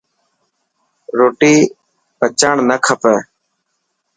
روٽي بچائڻ نه کپي.